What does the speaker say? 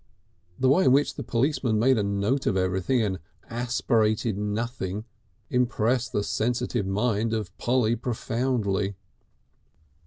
The way in which the policeman made a note of everything and aspirated nothing impressed the sensitive mind of Polly profoundly.